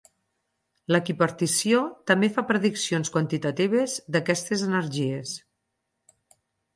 L'equipartició també fa prediccions quantitatives d'aquestes energies.